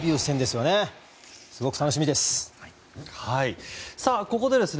すごく楽しみです。